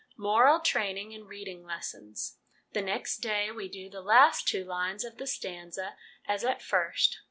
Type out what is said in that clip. Moral Training in Reading Lessons. The next day we do the last two lines of the stanza, as at first.